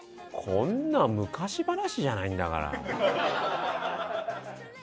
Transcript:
こんなの昔話じゃないんだから。